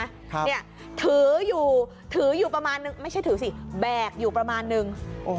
ครับเนี่ยถืออยู่ถืออยู่ประมาณนึงไม่ใช่ถือสิแบกอยู่ประมาณนึงโอ้โห